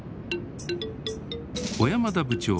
小山田部長